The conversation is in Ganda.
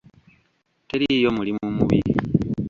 Teriiyo mulimu mubi.